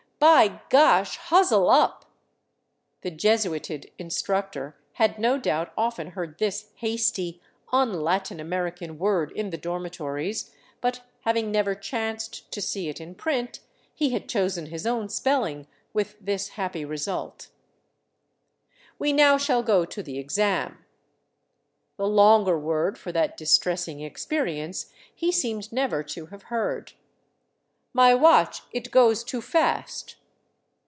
" By Gosh, Huzle up !" The jesuited instructor had no doubt often heard this hasty, unLatin American word in the dormitories, but hav ing never chanced to see it in print, he had chosen his own spelling, with this happy result. " We now shall go to the exam." The longer word for that dis tressing experience he seemed never to have heard. " My watch it goes too fast."